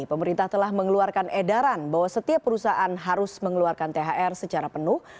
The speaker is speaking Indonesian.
pemerintah telah mengeluarkan edaran bahwa setiap perusahaan harus mengeluarkan thr secara penuh